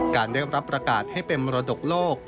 การได้รับประกาศให้เป็นมรดกโลก